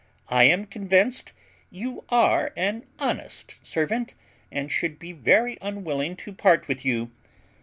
I am convinced you are an honest servant, and should be very unwilling to part with you.